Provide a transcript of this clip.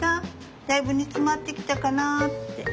だいぶ煮詰まってきたかなって。